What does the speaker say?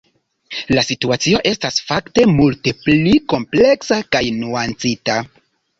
La situacio estas fakte multe pli kompleksa kaj nuancita.